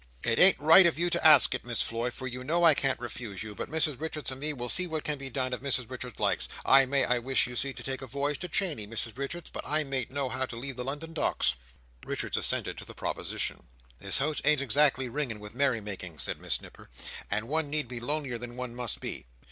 "It ain't right of you to ask it, Miss Floy, for you know I can't refuse you, but Mrs Richards and me will see what can be done, if Mrs Richards likes, I may wish, you see, to take a voyage to Chaney, Mrs Richards, but I mayn't know how to leave the London Docks." Richards assented to the proposition. "This house ain't so exactly ringing with merry making," said Miss Nipper, "that one need be lonelier than one must be.